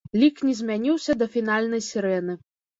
Лік не змяніўся да фінальнай сірэны.